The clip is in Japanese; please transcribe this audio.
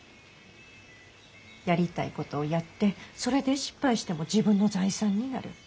やりたいことをやってそれで失敗しても自分の財産になる。